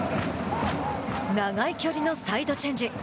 長い距離のサイドチェンジ。